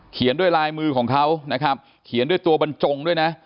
ด้วยลายมือของเขานะครับเขียนด้วยตัวบรรจงด้วยนะ